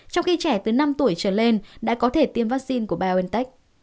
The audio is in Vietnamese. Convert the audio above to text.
trong khi trẻ từ năm tuổi trở lên đã có thể tiêm vaccine của biontech